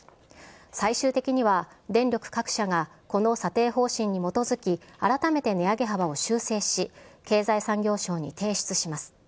最終的には、電力各社がこの査定方針に基づき、改めて値上げ幅を修正し、経済産業省に提出します。